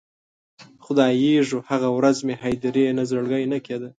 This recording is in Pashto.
خدایږو، هغه ورځ مې هدیرې نه زړګی نه کیده